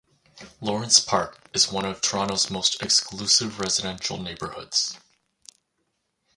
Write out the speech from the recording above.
Lawrence Park is one of Toronto's most exclusive residential neighborhoods.